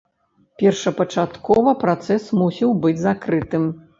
Першапачаткова працэс мусіў быць закрытым.